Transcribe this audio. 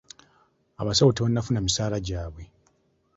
Abasawo tebannafuna misaala gyabwe.